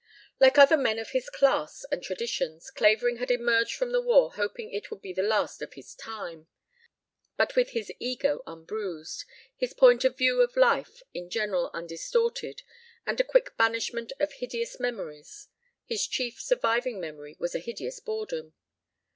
Like other men of his class and traditions, Clavering had emerged from the war hoping it would be the last of his time, but with his ego unbruised, his point of view of life in general undistorted, and a quick banishment of "hideous memories." (His chief surviving memory was a hideous boredom.)